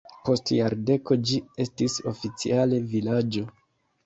Post jardeko ĝi estis oficiale vilaĝo.